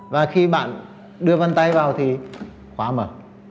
và khi bạn đưa vân tay vào thì khóa mở